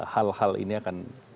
hal hal ini akan